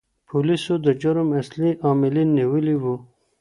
پولیسو د جرم اصلي عاملین نیولي وو.